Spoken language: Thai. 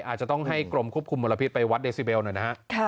อาจจะต้องให้กรมควบคุมมลพิษไปวัดเดซิเบลหน่อยนะฮะ